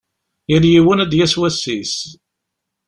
Yal yiwen ad d-yas wass-is.